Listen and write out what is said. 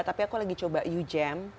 tapi aku lagi coba u gem